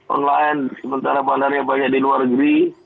online sementara bandar yang banyak di luar negeri